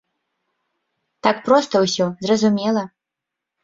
Так проста ўсё, зразумела.